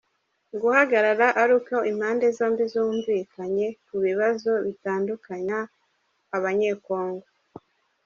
guhagarara ari uko impande zombi zumvikanye ku bibazo bitandukanya Abanyekongo.